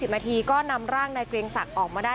นาทีก็นำร่างนายเกรียงศักดิ์ออกมาได้